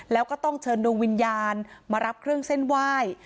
แล้วก็ต้องเชิญดวงวิญญาณมารับเครื่องเส้นไหว้